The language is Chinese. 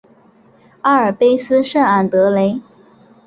阿尔卑斯圣昂德雷。